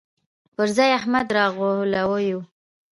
پر ځاى احمد راغلهووايو